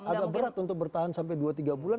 agak berat untuk bertahan sampai dua tiga bulan